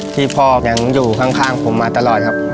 ที่พ่อยังอยู่ข้างผมมาตลอดครับ